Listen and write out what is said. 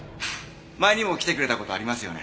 前にも来てくれた事ありますよね？